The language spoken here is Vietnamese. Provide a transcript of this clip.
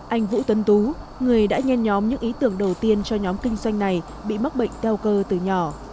anh vũ tuấn tú người đã nhen nhóm những ý tưởng đầu tiên cho nhóm kinh doanh này bị mắc bệnh teo cơ từ nhỏ